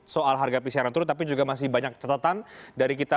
soal harga pcr yang turun tapi juga masih banyak catatan dari kita